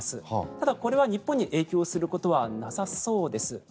ただ、これは日本に影響することはなさそうです。